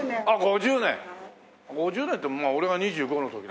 ５０年ってまあ俺が２５の時だからな。